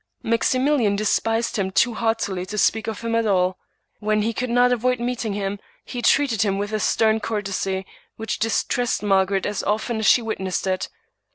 Maximilian despised him too heartily to speak of him at all. When he could not avoid meeting him, he treated him with a stern courtesy, which distressed Margaret as often as she witnessed it.